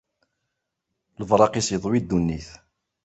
Lebraq-is iḍwi ddunit.